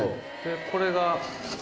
これが。